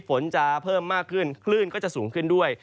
ฝนจะเพิ่มมากขึ้นคลื่นก็จะสูงขึ้นด้วย